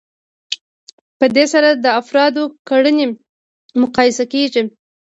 په دې سره د افرادو کړنې مقایسه کیږي.